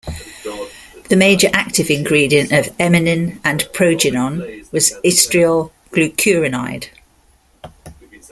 The major active ingredient of Emmenin and Progynon was estriol glucuronide.